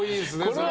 これは。